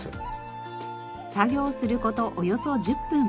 作業する事およそ１０分。